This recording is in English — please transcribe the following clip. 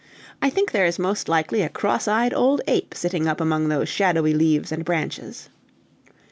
"I think there is most likely a cross eyed old ape sitting up among those shadowy leaves and branches."